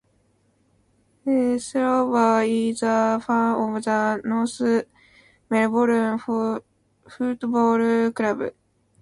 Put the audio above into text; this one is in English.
Trevor is a fan of the North Melbourne Football Club.